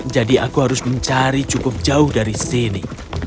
jadi aku harus mencari cukup jauh dari sini